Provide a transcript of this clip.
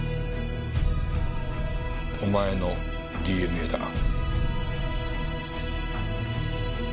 お前のＤＮＡだな？